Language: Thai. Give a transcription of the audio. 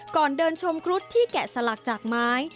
ก่อนเดินชมครุฑที่แกะสลักจากไม้